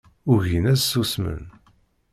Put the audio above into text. Ugin ad susmen